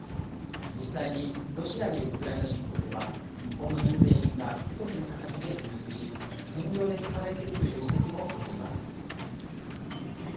実際にロシアによるウクライナ侵攻では、日本の民生品が意図せぬ形で流出し、戦場で使われているという指摘も出ています。